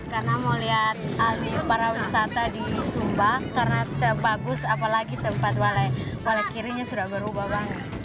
karena mau lihat para wisata di sumba karena bagus apalagi tempat walakirinya sudah berubah banget